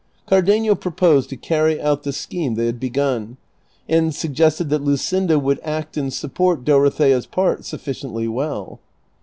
Cardenio proposed to carry out the scheme they had begun, and suggested that Luscinda would act and support Dorothea's part sufficiently well.